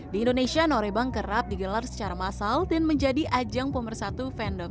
di indonesia norebang kerap digelar secara massal dan menjadi ajang pemersatu vendor